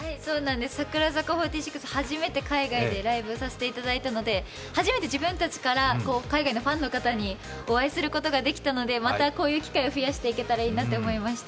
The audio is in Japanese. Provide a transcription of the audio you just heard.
櫻坂４６、初めて海外でライブさせていただいたので初めて自分たちから海外のファンの方にお会いすることができたのでまたこういう機会を増やしていけたらいいなと思いました。